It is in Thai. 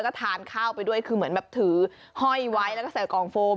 ก็ทานข้าวไปด้วยคือเหมือนแบบถือห้อยไว้แล้วก็ใส่กล่องโฟม